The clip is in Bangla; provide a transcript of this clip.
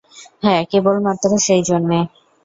হাঁ কেবলমাত্র সেইজন্যে।